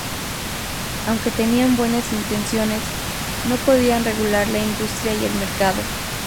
Aunque tenían buenas intenciones, no podían regular la industria y el mercado.